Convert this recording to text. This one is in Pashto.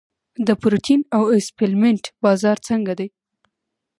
د پروټین او سپلیمنټ بازار څنګه دی؟